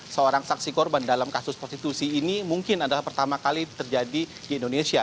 seorang saksi korban dalam kasus prostitusi ini mungkin adalah pertama kali terjadi di indonesia